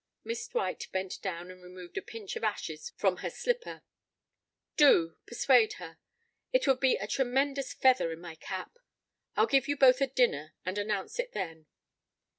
Miss Dwight bent down and removed a pinch of ashes from her slipper. "Do persuade her. It would be a tremendous feather in my cap. I'll give you both a dinner and announce it then."